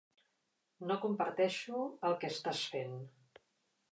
No comparteixo el que estàs fent.